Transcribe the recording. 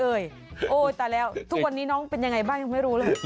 โอ้โหตายแล้วทุกวันนี้น้องเป็นยังไงบ้างยังไม่รู้เลย